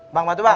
bang bantu bang